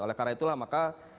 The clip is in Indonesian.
oleh karena itulah maka